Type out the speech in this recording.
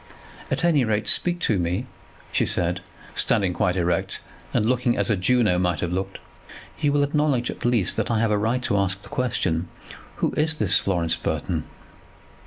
"At any rate speak to me," she said, standing quite erect, and looking as a Juno might have looked. "You will acknowledge at least that I have a right to ask the question. Who is this Florence Burton?"